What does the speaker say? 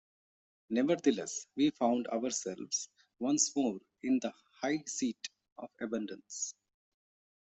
Nevertheless we found ourselves once more in the high seat of abundance.